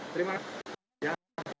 terima kasih ya